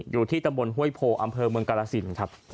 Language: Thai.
อยู่ที่ตำบลห้วยโพอำเภอเมืองกาลสินครับ